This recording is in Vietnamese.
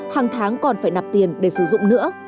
hàng tháng còn phải nạp tiền để sử dụng nữa